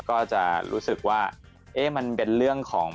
ก็จะรู้สึกว่าเอ๊ะมันเป็นเรื่องของ